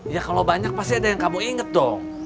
ya kalau banyak pasti ada yang kamu inget dong